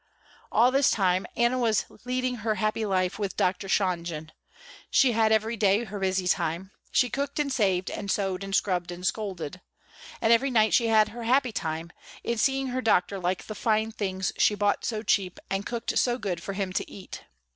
All this time Anna was leading her happy life with Dr. Shonjen. She had every day her busy time. She cooked and saved and sewed and scrubbed and scolded. And every night she had her happy time, in seeing her Doctor like the fine things she bought so cheap and cooked so good for him to eat.